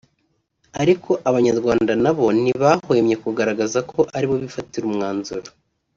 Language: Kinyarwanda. ariko Abanyarwanda nabo ntibahwemye kugaragaza ko aribo bifatira umwanzuro